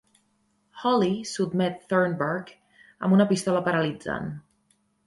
Holly sotmet Thornburg amb una pistola paralitzant.